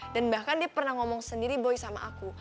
dan bahkan dia pernah ngomong sendiri boy sama aku